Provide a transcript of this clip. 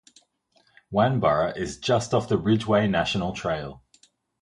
Wanborough is just off the Ridgeway National Trail.